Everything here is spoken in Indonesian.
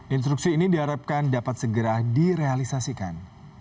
instruksi ini diharapkan dapat segera direalisasikan